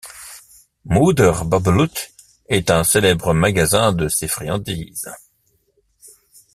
Moeder Babbelute, est un célèbre magasin de ces friandises.